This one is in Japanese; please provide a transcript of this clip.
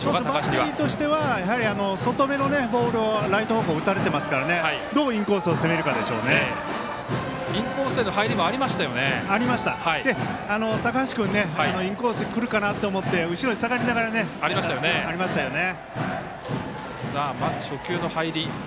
バッテリーとしては外めのボールをライト方向打たれてますからねどうインコースをインコースへの入りも高橋君インコースくるかなと思って後ろに下がりながらもありましたね。